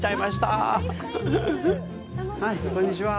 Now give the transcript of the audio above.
あっ、こんにちは。